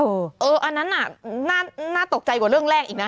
อันนั้นน่ะน่าตกใจกว่าเรื่องแรกอีกนะ